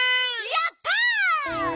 やった！